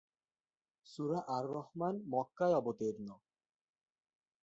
সূরা আর-রাহমান মক্কায় অবতীর্ণ।